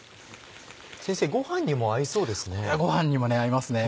先生ご飯にも合いそうですね。